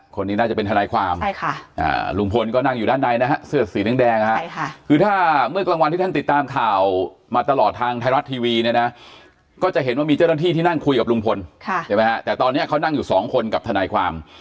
คนนี้น่าจะเป็นทนายความลุงพลก็นั่งอยู่ด้านในนะฮะเสื้อสีแดงนะฮะคือถ้าเมื่อกลางวันที่ท่านติดตามข่าวมาตลอดทางไทยรัฐทีวีเนี่ยนะก็จะเห็นว่ามีเจ้าหน้าที่ที่นั่งคุยกับลุงพลใช่ไหมฮะแต่ตอนนี้เขานั่งอยู่สองคนกับทนายความ